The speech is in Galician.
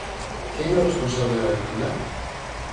¿Quen é o responsable da demanda?